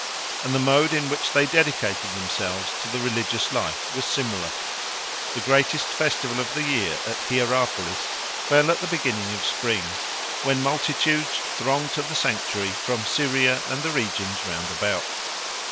And the mode in which they dedicated themselves to the religious life was similar. The greatest festival of the year at Hierapolis fell at the beginning of spring, when multitudes thronged to the sanctuary from Syria and the regions round about.